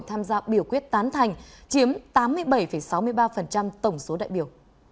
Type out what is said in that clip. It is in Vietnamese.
tham gia biểu quyết tán thành chiếm tám mươi bảy sáu mươi ba tổng số đại biểu